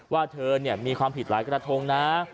ว่าเธอมีความผิดหลายกระทงนะ